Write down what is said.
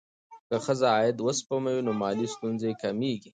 که ښځه عاید وسپموي، نو مالي ستونزې کمېږي.